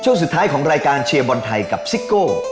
ช่วงสุดท้ายของรายการเชียร์บอลไทยกับซิโก้